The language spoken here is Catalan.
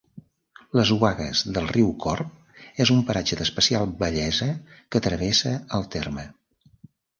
Les obagues del riu Corb és un paratge d'especial bellesa que travessa el terme.